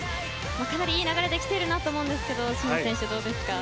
かなりいい流れで来ていると思いますが清水選手、どうですか。